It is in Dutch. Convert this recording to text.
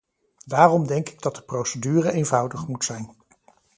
Daarom denk ik dat de procedure eenvoudig moet zijn.